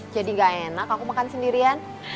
jadi gak enak aku makan sendirian